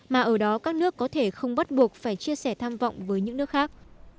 mà ở đó các nước có thể không bắt buộc phải chia sẻ tham vọng với những nước khác